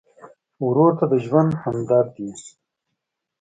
ورور ته د ژوند همدرد یې.